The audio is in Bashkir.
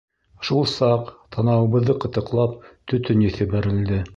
Шул саҡ, танауыбыҙҙы ҡытыҡлап, төтөн еҫе бәрелде.